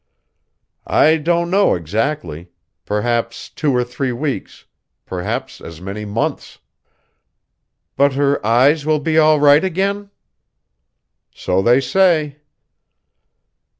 "I don't know exactly. Perhaps two or three weeks, perhaps as many months." "But her eyes will be all right again?" "So they say."